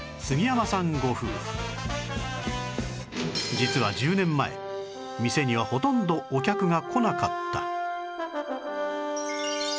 実は１０年前店にはほとんどお客が来なかった